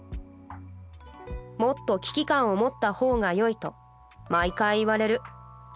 『もっと危機感を持ったほうがよい』と毎回言われる。